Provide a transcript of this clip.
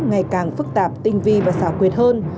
ngày càng phức tạp tinh vi và xảo quyệt hơn